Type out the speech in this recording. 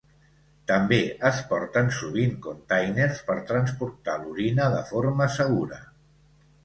També es porten sovint containers per transportar l'orina de forma segura.